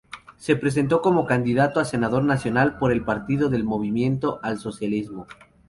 Se presentó como candidato a Senador Nacional por el Partido del Movimiento al Socialismo.